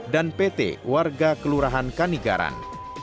dan pete warga kelurahan kanigaran